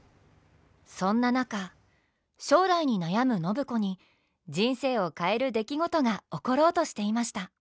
そんな中将来に悩む暢子に人生を変える出来事が起ころうとしていました。